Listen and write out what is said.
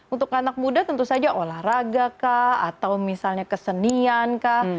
untuk anak muda tentu saja olahraga kah atau misalnya kesenian kah